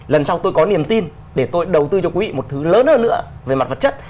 lần sau tôi có niềm tin để tôi đầu tư cho quý vị một thứ lớn hơn nữa về mặt vật chất